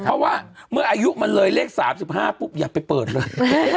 เพราะว่าเมื่ออายุมันเลยเลข๓๕ปุ๊บอย่าไปเปิดเลย